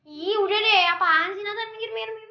iya udah deh apaan sih nathan pinggir pinggir